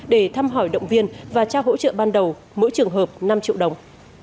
để thăm hỏi động viên và trao hỗ trợ ban đầu mỗi trường hợp năm triệu đồng